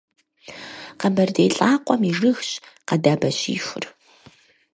Къэбэрдей лӀакъуэм и жыгщ къэдабэщихур.